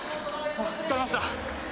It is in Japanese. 疲れました